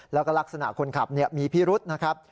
แล้วก็ลักษณะคนขับมีพิรุษนะครับ